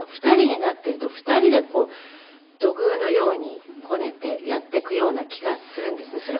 ２人になってると２人で土偶のようにこねてやっていくような気がするんですね。